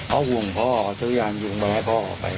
ต้องคุ้มพ่อซื้ออาหารยุงกำลังให้พ่อเอาไป